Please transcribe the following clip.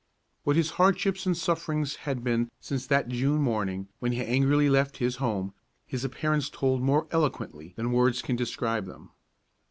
What his hardships and sufferings had been since that June morning when he angrily left his home, his appearance told more eloquently than words can describe them.